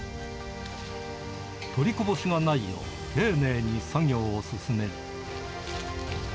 取りこぼしがないよう、丁寧に作業を進める。